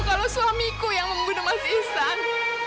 kalau suamiku yang membunuh mas isan